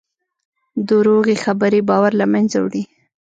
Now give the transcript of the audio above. دروغې خبرې باور له منځه وړي.